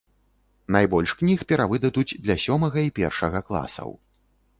Найбольш кніг перавыдадуць для сёмага і першага класаў.